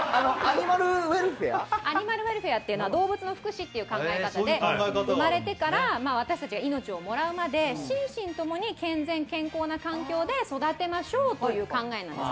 アニマルウエルフェアというのは動物の福祉という考え方で生まれてから私たちが命をもらうまで心身ともに健全健康な環境で育てましょうという考え方なんです。